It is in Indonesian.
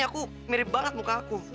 aku mirip banget muka aku